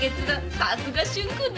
さすが俊君ね！